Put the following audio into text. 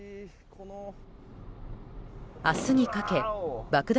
明日にかけ爆弾